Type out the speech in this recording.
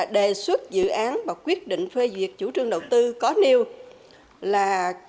đề xuất dự án và quyết định phê duyệt chủ trương đầu tư có nêu là